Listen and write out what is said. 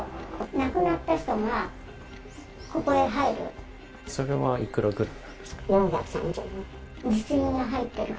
亡くなった人がここへ入る。